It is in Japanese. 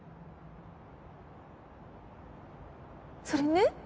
それね